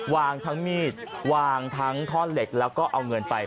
วางทั้งมีดวางทั้งท่อนเหล็กแล้วก็เอาเงินไป